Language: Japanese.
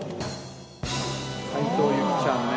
「斉藤由貴ちゃんね。